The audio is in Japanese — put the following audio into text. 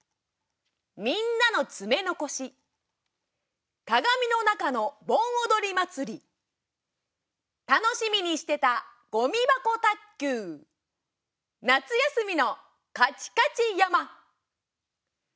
みんなの爪残し鏡の中の盆踊り祭楽しみにしてたゴミ箱卓球夏休みのカチカチ山。